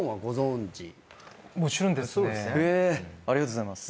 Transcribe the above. ありがとうございます。